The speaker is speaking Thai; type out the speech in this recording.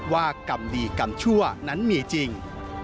กรรมดีกรรมชั่วนั้นมีจริง